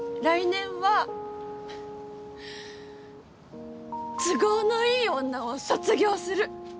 来年は都合のいい女を卒業する。